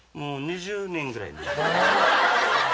うん２０年ぐらい。